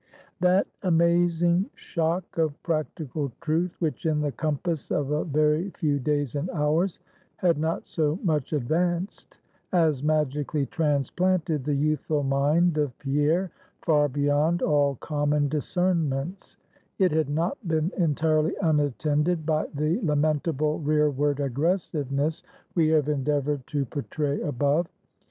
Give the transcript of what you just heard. That amazing shock of practical truth, which in the compass of a very few days and hours had not so much advanced, as magically transplanted the youthful mind of Pierre far beyond all common discernments; it had not been entirely unattended by the lamentable rearward aggressiveness we have endeavored to portray above.